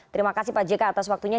terima kasih pak jk atas waktunya